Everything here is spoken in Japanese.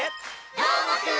「どーもくん！」